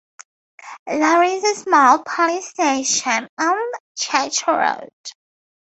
There is a small Police Station on Church Road.